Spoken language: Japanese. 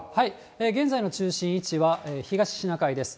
現在の中心位置は東シナ海です。